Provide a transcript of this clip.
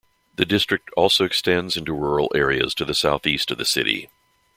The district also extends into rural areas to the southeast of the city.